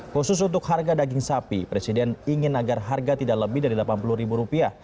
khusus untuk harga daging sapi presiden ingin agar harga tidak lebih dari rp delapan puluh